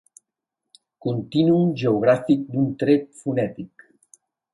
Contínuum geogràfic d'un tret fonètic.